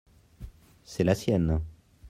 c'est la sienne.